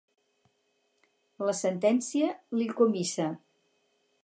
La sentència li’l comissa.